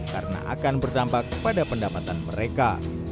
karena akan berdampak pada pendapatan mereka